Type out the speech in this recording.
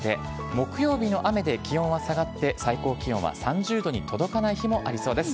木曜日の雨で気温は下がって、最高気温は３０度に届かない日もありそうです。